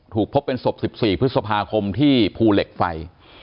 พบเป็นศพ๑๔พฤษภาคมที่ภูเหล็กไฟ